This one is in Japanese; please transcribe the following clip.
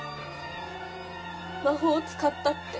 「魔法を使った」って。